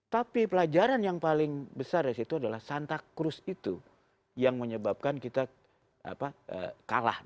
tapi pelajaran yang paling besar disitu adalah santa cruz itu yang menyebabkan kita kalah